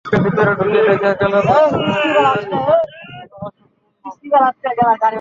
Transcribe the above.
Ticket কেটে ভেতরে ঢুকে দেখা গেল দর্শকসারির প্রায় সবগুলো আসন পূর্ণ।